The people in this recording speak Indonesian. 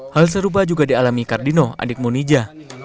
hal serupa juga dialami kardino adik munija